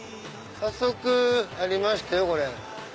早速ありましたよ。